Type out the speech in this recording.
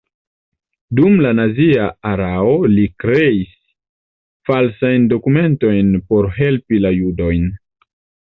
Dum la nazia erao li kreis falsajn dokumentojn por helpi la judojn.